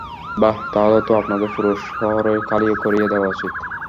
বাহ্, তাহলে তো আপনাদের পুরো শহরই খালি করিয়ে দেওয়া উচিত।